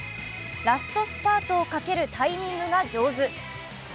ラストスパートをかけるタイミングが上手。